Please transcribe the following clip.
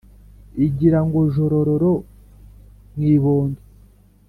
Igira ngo jorororo mu ibondo